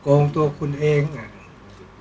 ก็ต้องทำอย่างที่บอกว่าช่องคุณวิชากำลังทำอยู่นั่นนะครับ